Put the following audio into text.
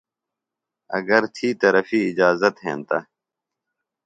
اگر تھی طرفی اِجازت ہنتہ۔